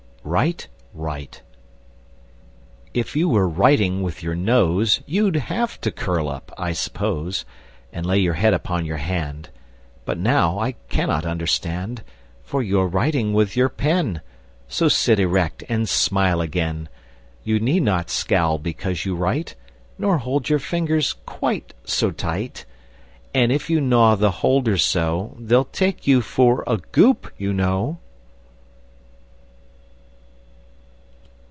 [Illustration: Write Right!] WRITE RIGHT! If you were writing with your nose, You'd have to curl up, I suppose, And lay your head upon your hand; But now, I cannot understand, For you are writing with your pen! So sit erect, and smile again! You need not scowl because you write, Nor hold your fingers quite so tight! And if you gnaw the holder so, They'll take you for a Goop, you know!